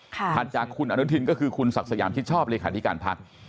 ถัดจากคุณอนุทินก็คือคุณศักดิ์สยามชิดชอบเลขาธิการพัก